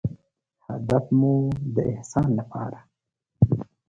هدف مو د احسان لپاره